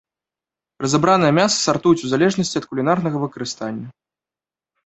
Разабранае мяса сартуюць у залежнасці ад кулінарнага выкарыстання.